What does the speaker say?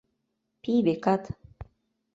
Пий, векат?